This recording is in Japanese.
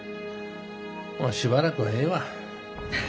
もうしばらくはええわ。